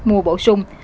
mùa bổ sung